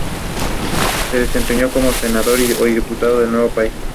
Posteriormente seria postulado como candidato plurinominal, en la Cámara de Diputados.